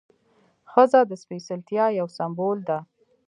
ښځه د سپېڅلتیا یو سمبول ده.